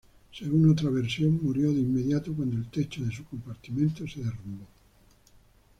Según otra versión, murió de inmediato cuando el techo de su compartimiento se derrumbó.